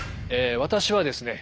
私はですね